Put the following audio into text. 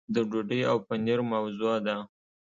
د ډوډۍ او پنیر موضوع ده.